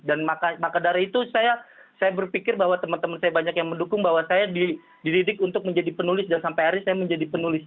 dan makadari itu saya berpikir bahwa teman teman saya banyak yang mendukung bahwa saya dididik untuk menjadi penulis dan sampai hari ini saya menjadi penulis